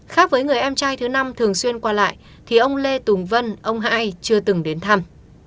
khác với người em trai thứ năm thường xuyên qua lại thì ông lê tùng vân ông ai chưa từng đến thăm